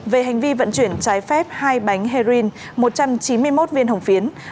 về hành vi vận chuyển trái phép hai bánh heroin một trăm chín mươi một viên hồng phiến